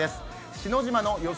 篠島の予想